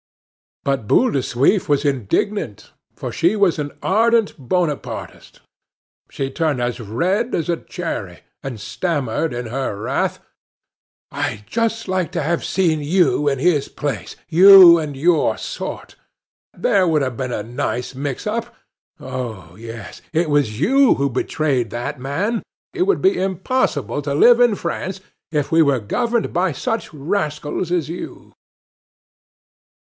But Boule de Suif was indignant, for she was an ardent Bonapartist. She turned as red as a cherry, and stammered in her wrath: "I'd just like to have seen you in his place you and your sort! There would have been a nice mix up. Oh, yes! It was you who betrayed that man. It would be impossible to live in France if we were governed by such rascals as you!"